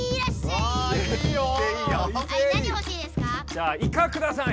じゃあイカください！